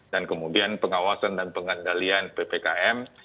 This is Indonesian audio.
dan kemudian pengawasan dan pengendalian ppkm